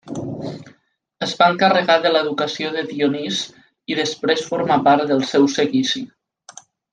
Es va encarregar de l'educació de Dionís, i després formà part del seu seguici.